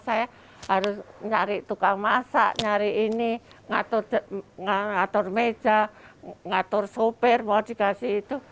saya harus mencari tukang masak mencari ini mengatur meja mengatur sopir modifikasi itu